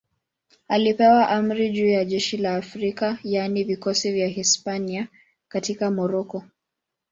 Alipewa amri juu ya jeshi la Afrika, yaani vikosi vya Hispania katika Moroko.